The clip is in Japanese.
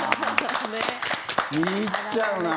見入っちゃうなあ。